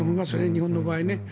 日本の場合ね。